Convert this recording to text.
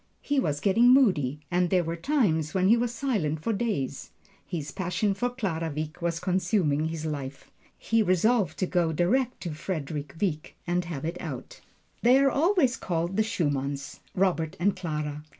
He was getting moody, and there were times when he was silent for days. His passion for Clara Wieck was consuming his life. He resolved to go direct to Frederick Wieck and have it out. They are always called "the Schumanns" Robert and Clara.